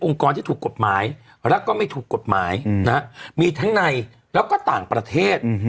ที่ถูกกฎหมายแล้วก็ไม่ถูกกฎหมายมีทั้งในแล้วก็ต่างประเทศ